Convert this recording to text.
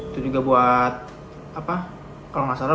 itu juga buat kalau gak salah buat kanker cervix